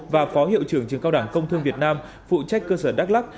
và phó hiệu trưởng trường cao đẳng công thương việt nam phụ trách cơ sở đắk lắc